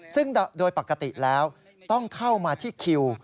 ซึ่งโดยปกติแล้วต้องเข้ามาที่คิว